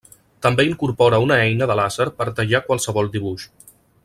També incorpora una eina de làser per tallar qualsevol dibuix.